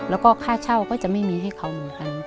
แล้วก็ค่าเช่าก็จะไม่มีให้เขาเหมือนกัน